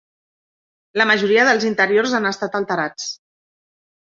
La majoria dels interiors han estat alterats.